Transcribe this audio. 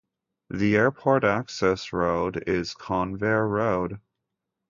The airport access road is Convair Road.